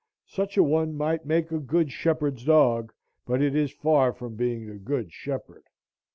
Such a one might make a good shepherd's dog, but is far from being the Good Shepherd.